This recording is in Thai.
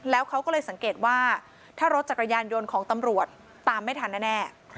แล้วเขาก็เลยสังเกตว่าถ้ารถจักรยานยนต์ของตำรวจตามไม่ทันแน่